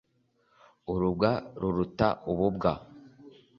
urubwa ruruta ububwa